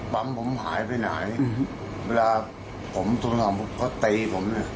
ปั๊มผมหายไปไหนเวลาผมต้องหาพวกเขาเตยผมเนี่ย